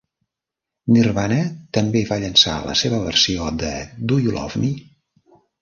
Nirvana també va llançar la seva versió de Do You Love Me?